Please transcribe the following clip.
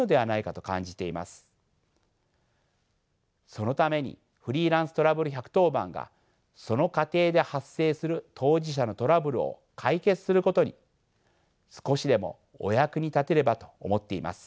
そのためにフリーランス・トラブル１１０番がその過程で発生する当事者のトラブルを解決することに少しでもお役に立てればと思っています。